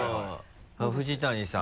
藤谷さん。